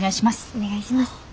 お願いします。